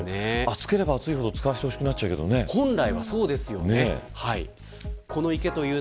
暑ければ暑いほど使いたくなっちゃうけどね。